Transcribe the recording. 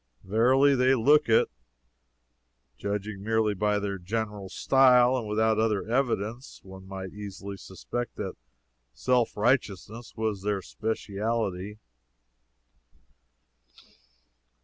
Verily, they look it. Judging merely by their general style, and without other evidence, one might easily suspect that self righteousness was their specialty.